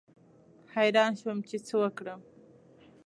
حیران شوم چې څه وکړم.